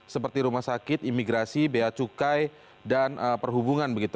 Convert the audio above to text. seperti rumah sakit imigrasi bea cukai dan perhubungan begitu